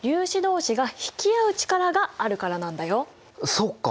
そっか！